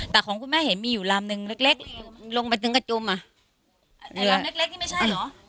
แต่ของคุณแม่เห็นมีอยู่ลำนึงเล็กเล็กลงไปถึงกระจุมอ่ะอันนี้ลำเล็กเล็กนี่ไม่ใช่เหรอ